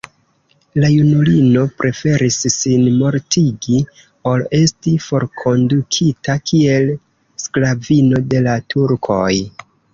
La junulino preferis sin mortigi ol esti forkondukita kiel sklavino de la turkoj.